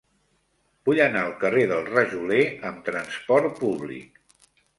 Vull anar al carrer del Rajoler amb trasport públic.